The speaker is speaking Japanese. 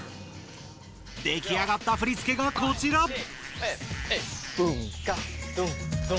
できあがった振付がこちら。